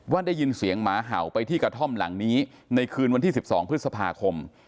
ได้ยินเสียงหมาเห่าไปที่กระท่อมหลังนี้ในคืนวันที่๑๒พฤษภาคม